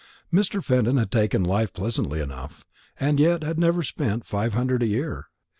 Mr. Fenton had taken life pleasantly enough, and yet had never spent five hundred a year.